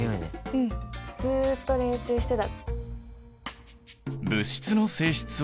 うんずっと練習してた。